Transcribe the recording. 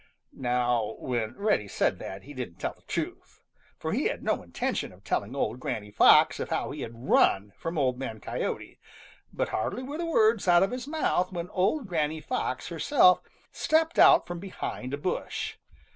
Now when Reddy said that, he didn't tell the truth, for he had no intention of telling Old Granny Fox of how he had run from Old Man Coyote, but hardly were the words out of his mouth when old Granny Fox herself stepped out from behind a bush.